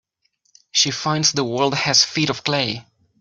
She finds the world has feet of clay.